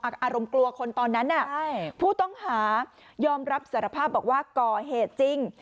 อารมณ์กลัวคนตอนนั้นผู้ต้องหายอมรับสารภาพบอกว่าก่อเหตุจริง